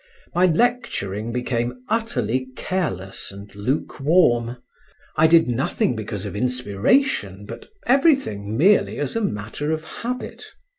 My lecturing became utterly careless and lukewarm; I did nothing because of inspiration, but everything merely as a matter of habit.